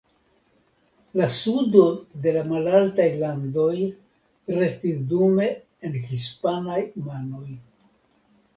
La sudo de la Malaltaj Landoj restis dume en hispanaj manoj.